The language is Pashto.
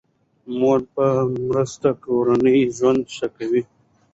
د مور په مرسته کورنی ژوند ښه کیږي.